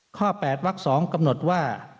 ๘วัก๒กำหนดว่า